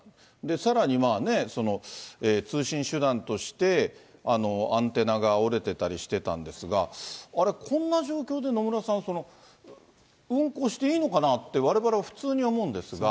さらに、通信手段として、アンテナが折れてたりしてたんですが、こんな状況で野村さん、運航していいのかなぁって、われわれ普通に思うんですが。